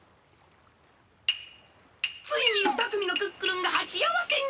ついにふたくみのクックルンがはちあわせに！